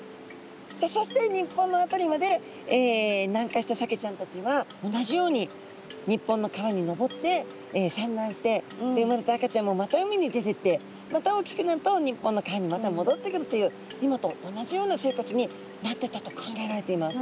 そして日本の辺りまで南下したサケちゃんたちは同じように日本の川に上って産卵してで生まれた赤ちゃんもまた海に出てってまた大きくなると日本の川にまたもどってくるという今と同じような生活になってったと考えられています。